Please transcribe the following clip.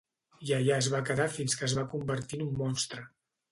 I allà es va quedar fins que es va convertir en un monstre.